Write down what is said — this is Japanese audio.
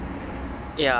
いや。